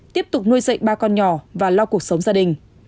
tiếp tục nuôi dạy ba con nhỏ và lo cuộc sống gia đình